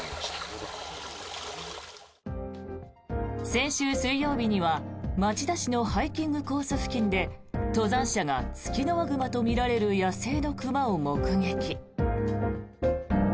先週水曜日には町田市のハイキングコース付近で登山者がツキノワグマとみられる野生の熊を目撃。